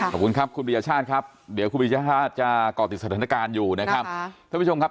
ขอบคุณครับคุณพริยชาติครับเดี๋ยวคุณพริยชาติจะก่อติดสถานการณ์อยู่นะครับ